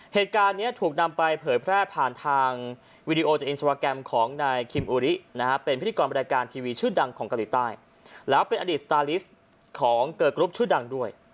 เหตุการณ์นี้ถูกนำไปเผยแพร่ผ่านทาง